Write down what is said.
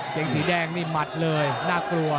งสีแดงนี่หมัดเลยน่ากลัว